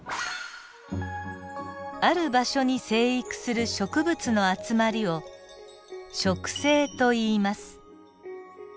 ある場所に生育する植物の集まりを植生といいます。